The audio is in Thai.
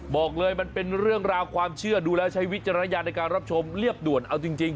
บอกเลยมันเป็นเรื่องราวความเชื่อดูแล้วใช้วิจารณญาณในการรับชมเรียบด่วนเอาจริง